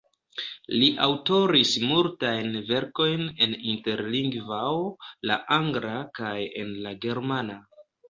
Li aŭtoris multajn verkojn en Interlingvao, la angla kaj en la germana.